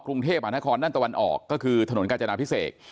กรุงเทพหานครด้านตะวันออกก็คือถนนกาจนาพิเศษ